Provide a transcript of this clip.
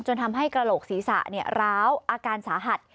ทำให้กระโหลกศีรษะร้าวอาการสาหัส